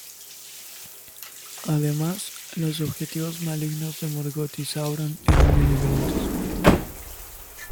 Además, los objetivos malignos de Morgoth y Sauron eran muy diferentes.